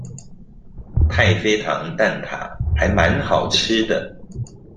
太妃糖蛋塔還滿好吃的